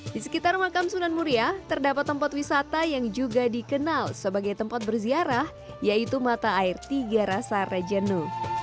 di sekitar makam sunan muria terdapat tempat wisata yang juga dikenal sebagai tempat berziarah yaitu mata air tiga rasa rejenu